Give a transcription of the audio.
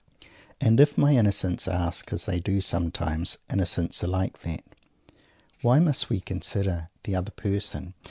And if my Innocents ask as they do sometimes Innocents are like that! "Why must we consider the other person?"